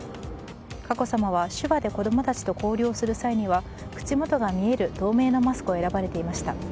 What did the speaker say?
佳子さまは手話で子供たちと交流をする際には口元が見える透明のマスクを選ばれていました。